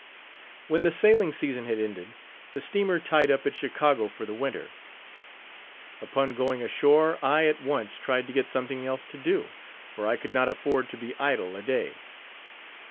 H2> When the sailing season had ended, the steamer tied up at Chicago for the winter. Upon going ashore, I at once tried to get something else to do, for I could not afford to be idle a day.